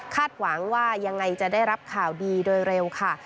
หวังว่ายังไงจะได้รับข่าวดีโดยเร็วค่ะ